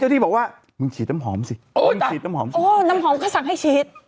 เหมือนนิด